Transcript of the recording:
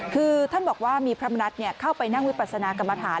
คือท่านบอกว่ามีพระมณัฐเข้าไปนั่งวิปัสนากรรมฐาน